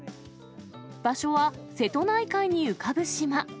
場所は瀬戸内海に浮かぶ島。